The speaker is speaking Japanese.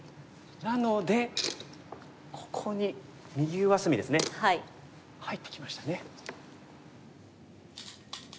なのでここに右上隅ですね入ってきましたね。